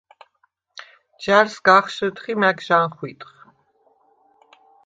ჯა̈რ სგახშჷდხ ი მა̈გ ჟანხვიტხ.